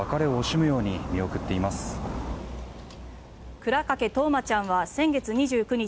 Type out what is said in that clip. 倉掛冬生ちゃんは先月２９日